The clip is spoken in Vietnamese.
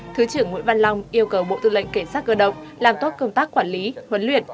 thứ trưởng nguyễn văn long yêu cầu bộ tư lệnh cảnh sát cơ động làm tốt công tác quản lý huấn luyện